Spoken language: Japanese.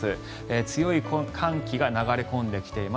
強い寒気が流れ込んできています。